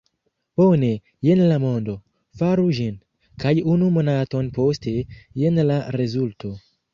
Bone, jen la mondo, faru ĝin! kaj unu monaton poste, jen la rezulto!